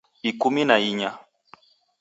Ikumi na inya